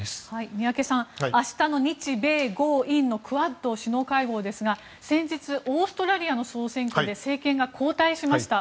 宮家さん、明日の日米豪印のクアッドの首脳会合ですが先日、オーストラリアの総選挙で政権が交代しました。